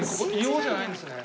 硫黄じゃないんですね。